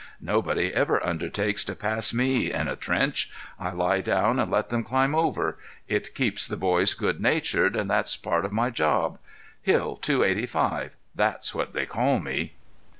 Nobody ever undertakes to pass me in a trench; I lie down and let them climb over. It keeps the boys good natured, and that's part of my job. "Hill Two Eighty five"—that's what they call me.